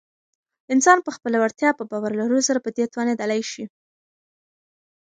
انسان په خپله وړتیا په باور لرلو سره په دې توانیدلی شی